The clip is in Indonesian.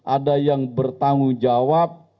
ada yang bertanggung jawab